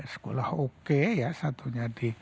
sekolah oke ya satunya di